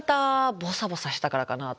ボサボサしてたからかなとか